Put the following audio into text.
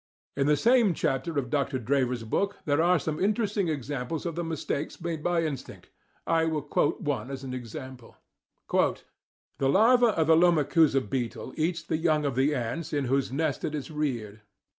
In the same chapter of Dr. Drever's book there are some interesting examples of the mistakes made by instinct. I will quote one as a sample: "The larva of the Lomechusa beetle eats the young of the ants, in whose nest it is reared.